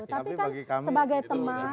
tapi kan sebagai teman